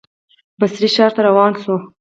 بصرې ښار ته روان شو.